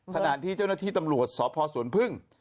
ขณะที่เจ้าหน้าที่ตำรวจสพสวนพึ่ง